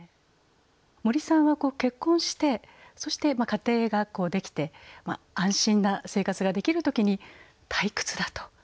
森さんは結婚してそして家庭ができて安心な生活ができる時に退屈だと。